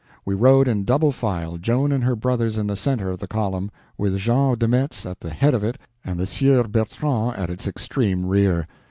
We rode in double file, Joan and her brothers in the center of the column, with Jean de Metz at the head of it and the Sieur Bertrand at its extreme rear.